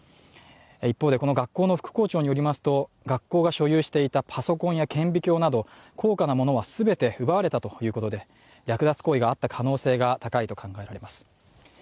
一方で、この学校の副校長によりますと学校が所有していたパソコンや顕微鏡など高価な物はすべて奪われたということで略奪行為があった可能性が高いと考えられます。